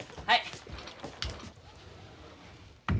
はい。